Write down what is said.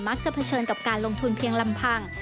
เผชิญกับการลงทุนเพียงลำพัง